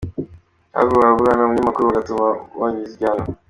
Ahubwo baburana, ubunyamakuru bugatuma bagabanyirizwa igihano.